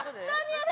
あれ。